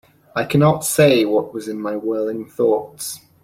I cannot say what was in my whirling thoughts.